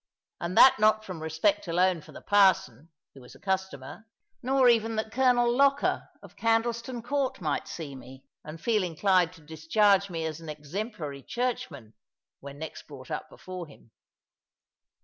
And that not from respect alone for the parson, who was a customer, nor even that Colonel Lougher of Candleston Court might see me, and feel inclined to discharge me as an exemplary Churchman (when next brought up before him).